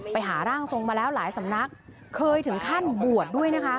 ไปหาร่างทรงมาแล้วหลายสำนักเคยถึงขั้นบวชด้วยนะคะ